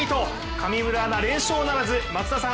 上村アナ、連勝ならず、松井さん